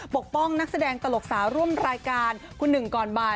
ปกป้องนักแสดงตลกสาวร่วมรายการคุณหนึ่งก่อนบ่าย